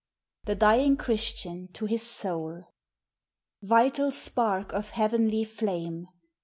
THE DYING CHRISTIAN TO HIS SOUL. Vital spark of heavenly flame!